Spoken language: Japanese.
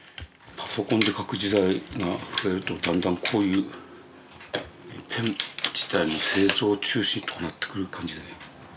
パソコンで描く時代が増えるとだんだんこういうペン自体が製造中止とかなってくる感じだな。